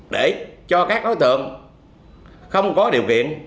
để cho các đối tượng không có điều kiện